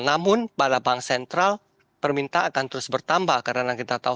namun pada bank sentral permintaan akan terus bertambah karena kita tahu